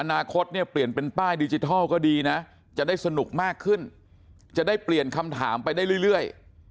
อนาคตเนี่ยเปลี่ยนเป็นป้ายดิจิทัลก็ดีนะจะได้สนุกมากขึ้นจะได้เปลี่ยนคำถามไปได้เรื่อย